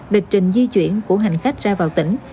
lịch trình di chuyển của hành khách ra vào tỉnh